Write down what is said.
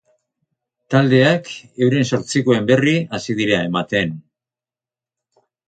Taldeak euren zortzikoen berri hasi dira ematen.